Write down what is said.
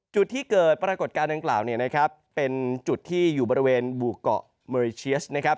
จุดที่เกิดปรากฏการณ์ดังกล่าวเนี่ยนะครับเป็นจุดที่อยู่บริเวณหมู่เกาะเมอริเชียสนะครับ